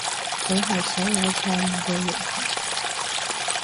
佢係所有錯誤嘅源頭